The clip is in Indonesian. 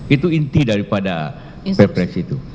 itu inti daripada perpres itu